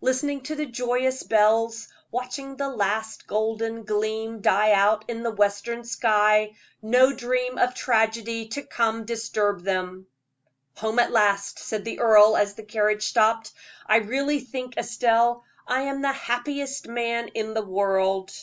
Listening to the joyous bells, watching the last golden gleam die out in the western sky, no dream of tragedy to come disturbed them. "Home at last," said the earl, as the carriage stopped. "I really think, Estelle, I am the happiest man in the world."